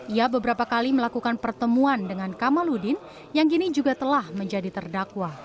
ia beberapa kali melakukan pertemuan dengan kamaludin yang kini juga telah menjadi terdakwa